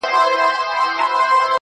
o هغه به څرنګه بلا وویني.